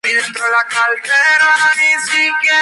Sin embargo, durante el juego se lastimó el tobillo.